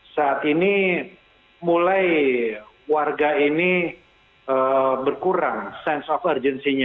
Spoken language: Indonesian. saat ini mulai warga ini berkurang sense of urgencenya